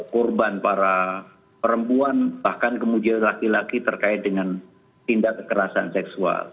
korban para perempuan bahkan kemudian laki laki terkait dengan tindak kekerasan seksual